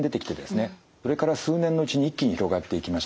それから数年のうちに一気に広がっていきました。